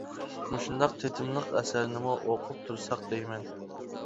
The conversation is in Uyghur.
مۇشۇنداق تېتىملىق ئەسەرنىمۇ ئوقۇپ تۇرساق دەيمەن.